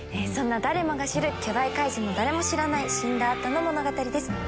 そんな誰もが知る巨大怪獣の誰も知らない死んだ後の物語です。